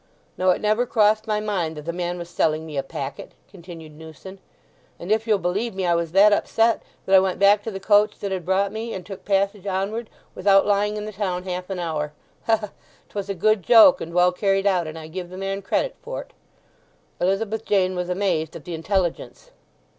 "Now, it never crossed my mind that the man was selling me a packet," continued Newson. "And, if you'll believe me, I was that upset, that I went back to the coach that had brought me, and took passage onward without lying in the town half an hour. Ha ha!—'twas a good joke, and well carried out, and I give the man credit for't!" Elizabeth Jane was amazed at the intelligence.